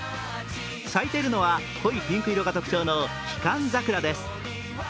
咲いているのは濃いピンク色が特徴のヒカンザクラです。